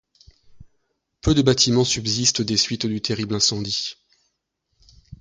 Peu de bâtiments subsistent des suites du terrible incendie.